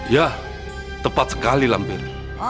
ya tepat sekali lampir